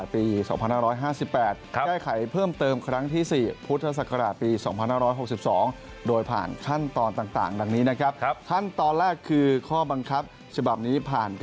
พุทธศักราชปี๒๕๕๘